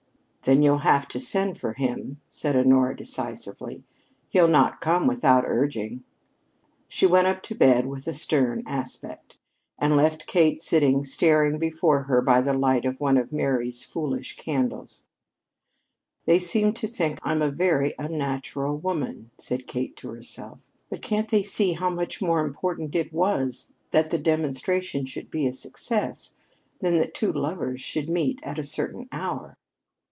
"Then you'll have to send for him," said Honora decisively. "He'll not come without urging." She went up to bed with a stern aspect, and left Kate sitting staring before her by the light of one of Mary's foolish candles. "They seem to think I'm a very unnatural woman," said Kate to herself. "But can't they see how much more important it was that the demonstration should be a success than that two lovers should meet at a certain hour?"